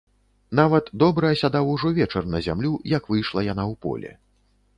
Нават добра асядаў ужо вечар на зямлю, як выйшла яна ў поле.